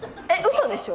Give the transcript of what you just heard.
嘘でしょ？